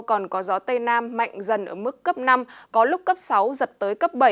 còn có gió tây nam mạnh dần ở mức cấp năm có lúc cấp sáu giật tới cấp bảy